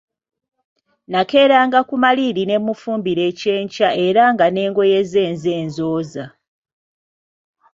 Nakeeranga ku maliiri ne mmufumbira eky'enkya era nga n'engoye ze nze nzooza.